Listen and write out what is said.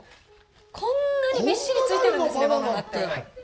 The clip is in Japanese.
こんなにびっしりついてるんですねバナナって。